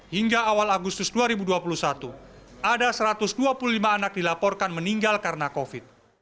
hingga awal agustus dua ribu dua puluh satu ada satu ratus dua puluh lima anak dilaporkan meninggal karena covid